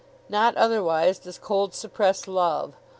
Not otherwise does cold suppress love.